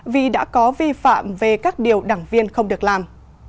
vì đã có vi phạm về các điều đảng viên không được làm